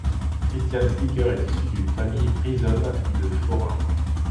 Christiaan Slieker est issue d'une famille frisonne de forains.